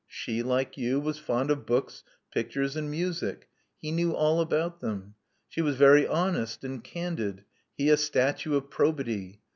She, like you, was fond of books, pictures, and music. He knew all about them. She was very honest and candid: he a statue of probity.